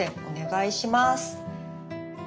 お願いします。